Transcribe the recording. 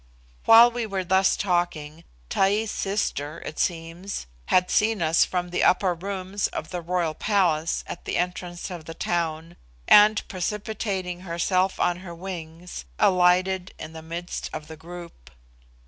While we were thus talking, Taee's sister, it seems, had seen us from the upper rooms of the Royal Palace at the entrance of the town, and, precipitating herself on her wings, alighted in the midst of the group.